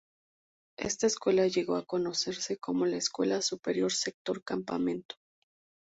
Esta escuela llego a conocerse como la Escuela Superior Sector Campamento.